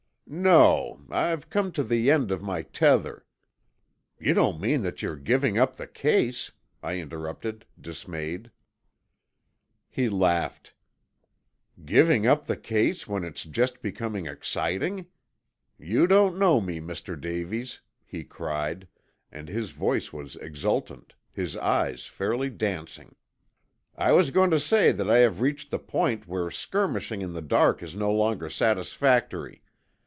"No, I've come to the end of my tether " "You don't mean that you're giving up the case?" I interrupted, dismayed. He laughed. "Giving up the case when it's just becoming exciting? You don't know me, Mr. Davies," he cried, and his voice was exultant, his eyes fairly dancing. "I was going to say that I have reached the point where skirmishing in the dark is no longer satisfactory.